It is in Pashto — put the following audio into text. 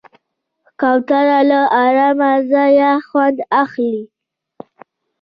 کوتره له آرامه ځایه خوند اخلي.